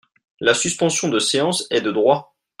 La suspension de séance est de droit.